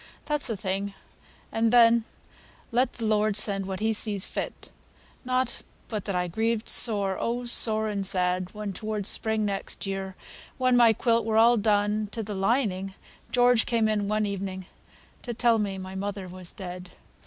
"That's the thing, and then let the Lord send what He sees fit; not but that I grieved sore, oh, sore and sad, when toward spring next year, when my quilt were all done to th' lining, George came in one evening to tell me mother was dead.